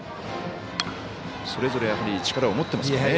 それぞれ力は持ってますね。